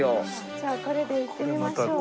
じゃあこれで行ってみましょう。